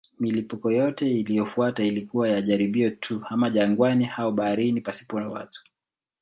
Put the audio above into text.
Milipuko yote iliyofuata ilikuwa ya jaribio tu, ama jangwani au baharini pasipo watu.